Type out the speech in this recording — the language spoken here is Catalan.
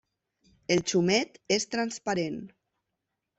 El xumet és transparent.